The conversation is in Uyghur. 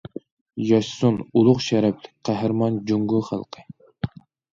ياشىسۇن ئۇلۇغ، شەرەپلىك، قەھرىمان جۇڭگو خەلقى!